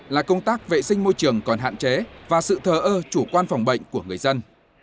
là công tác vệ sinh môi trường còn hạn chế và sự thờ ơ chủ quan phòng bệnh của người dân